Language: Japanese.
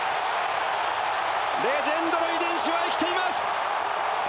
レジェンドの遺伝子は生きています！